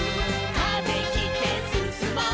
「風切ってすすもう」